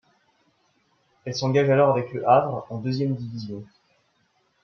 Elle s'engage alors avec Le Havre, en deuxième division.